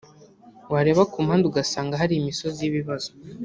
wareba ku mpande ugasanga hari imisozi y'ibibazo